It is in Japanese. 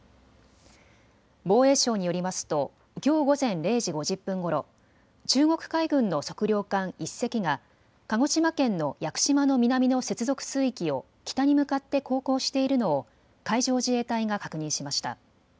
防衛省によりますときょう午前０時５０分ごろ、中国海軍の測量艦１隻が鹿児島県の屋久島の南の接続水域を北に向かって航行しているのを海上自衛隊が確認しました。